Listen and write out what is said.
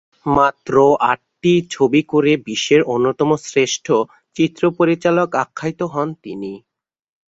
মাত্র আটটি ছবি করে বিশ্বের অন্যতম শ্রেষ্ঠ 'চিত্র পরিচালক আখ্যায়িত হন তিনি।